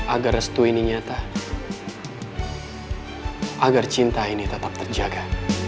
agar restu ini nyata agar cinta ini tetap terjaga